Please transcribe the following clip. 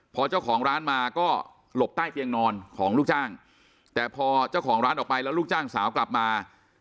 พอเจ้าของร้านมาก็หลบใต้เตียงนอนของลูกจ้างแต่พอเจ้าของร้านออกไปแล้วลูกจ้างสาวกลับมา